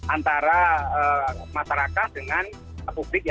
antara masyarakat dengan publik